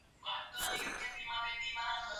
kati ya lugha katika jamii kubwa ya lugha za kibantu